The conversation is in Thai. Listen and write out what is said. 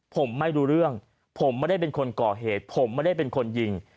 ผมไม่รู้เรื่องผมไม่ได้เป็นคนก่อเหตุผมไม่ได้เป็นคนยิง